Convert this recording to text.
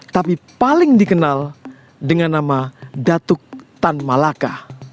tapi paling dikenal dengan nama datuk tan malaka